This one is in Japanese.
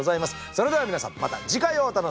それでは皆さんまた次回をお楽しみに。